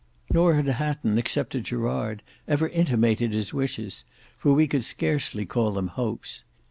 Nor had Hatton, except to Gerard, ever intimated his wishes, for we could scarcely call them hopes.